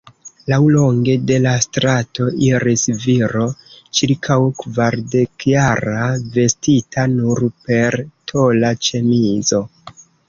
Laŭlonge de la strato iris viro ĉirkaŭ kvardekjara, vestita nur per tola ĉemizo.